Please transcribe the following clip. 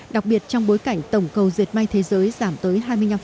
đặc biệt trong bối cảnh tổng cầu diệt may thế giới giảm tới hai mươi năm